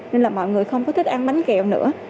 nên là mọi người không có thức ăn bánh kẹo nữa